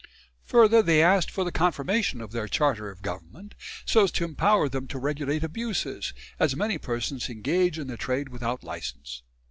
Further, they asked for "the confirmation of their charter of government so as to empower them to regulate abuses, as many persons engage in the trade without licence."